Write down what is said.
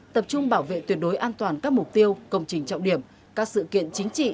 tập trung bảo vệ tuyệt đối an toàn các mục tiêu công trình trọng điểm các sự kiện chính trị